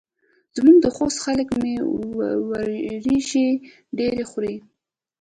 زموږ د خوست خلک مۍ وریژې ډېرې خوري.